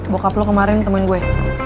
bokap lo kemarin temen gue